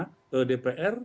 dpr dan kementerian kesehatan